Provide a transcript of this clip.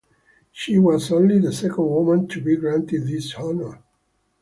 She was only the second woman to be granted this honour.